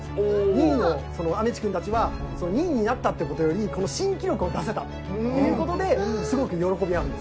２位の雨地くんたちは２位になったっていう事よりこの新記録を出せたっていう事ですごく喜び合うんです。